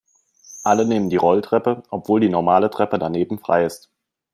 Alle nehmen die Rolltreppe, obwohl die normale Treppe daneben frei ist.